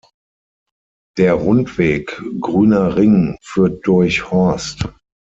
Der Rundweg Grüner Ring führt durch Horst.